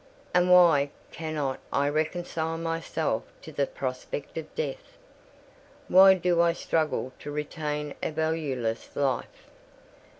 And why cannot I reconcile myself to the prospect of death? Why do I struggle to retain a valueless life?